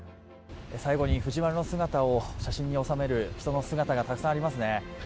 最後に藤丸の姿を写真に収める人の姿がたくさんありますね。